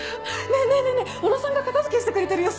ねぇねぇ小野さんが片付けしてくれてるよ。